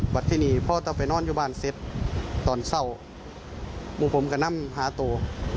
วัดที่นี่พ่อต้องไปนอนอยู่บ้านเสร็จตอนเศร้าพวกผมก็นำหาโต